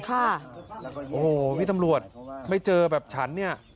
โอ้โหพี่ตำรวจไม่เจอแบบฉันเนี่ย